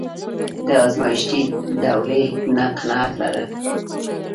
د ازمایښتي دورې نه قناعت لرل.